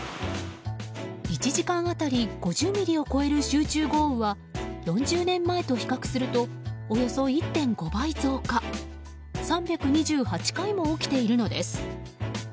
１時間当たり５０ミリを超える集中豪雨は４０年前と比較するとおよそ１．５倍増加３２８回も起きているのです。